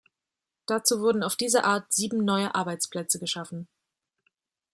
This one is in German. Dazu wurden auf diese Art sieben neue Arbeitsplätze geschaffen.